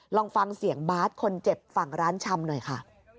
ลองฟังเสียงบาทคนเจ็บฝั่งร้านชำหน่อยค่ะ